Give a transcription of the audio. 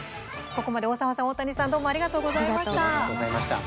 ここまで大沢さん、大谷さんどうもありがとうございました。